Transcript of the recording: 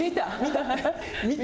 見た。